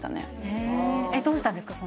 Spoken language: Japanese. へえどうしたんですか？